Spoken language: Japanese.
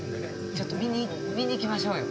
ちょっと見に行きましょうよ。